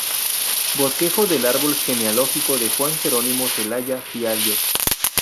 Bosquejo del árbol genealógico de Juan Jerónimo Zelaya Fiallos.